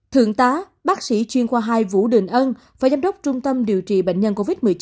thượng tá bác sĩ chuyên khoa hai vũ đình ân phó giám đốc trung tâm điều trị bệnh nhân covid một mươi chín